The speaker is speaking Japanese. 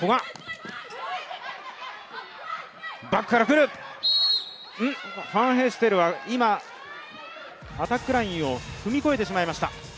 ファンヘステルは今、アタックラインを踏み越えてしまいました。